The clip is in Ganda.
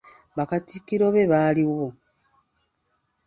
Bakatikkiro be baaliwo.